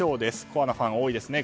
コアなファンが多いですよね。